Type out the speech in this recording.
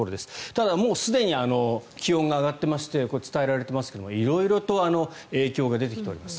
ただ、もうすでに気温が上がっていまして伝えられていますけれど色々と影響が出ております。